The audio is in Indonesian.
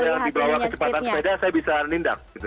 kalau ada yang di bawah kecepatan sepeda saya bisa menindak